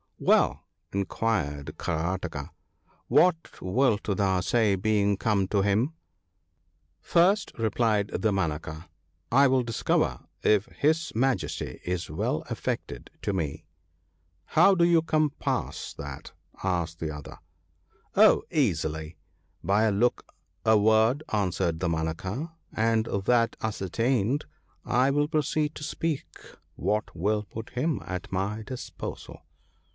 1 »)' Well/ inquired Karataka, ' what wilt thou say, being come to him ?' 'First/ replied Damanaka, 'I will discover if his Majesty is well affected to me.' ' How do you compass that ?' asked the other. ' Oh, easily ! by a look, a word/ answered Damanaka ;' and that ascertained, I will proceed to speak what will put him at my disposal.'